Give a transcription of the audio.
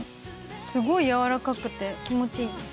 すごい軟らかくて気持ちいい。